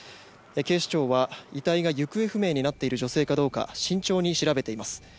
警視庁は遺体が行方不明になっている女性かどうか慎重に調べています。